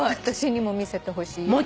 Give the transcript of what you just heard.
私にも見せてほしい。